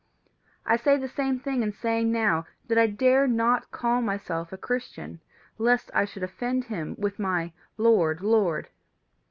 I say the same thing in saying now that I dare not call myself a Christian, lest I should offend him with my 'Lord, Lord!